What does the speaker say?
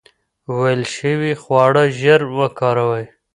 ویلې شوي خواړه ژر وکاروئ.